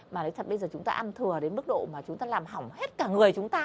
mà thật bây giờ chúng ta ăn thừa đến mức độ mà chúng ta làm hỏng hết cả người chúng ta